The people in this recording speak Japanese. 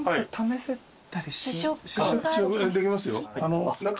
試食できますよ。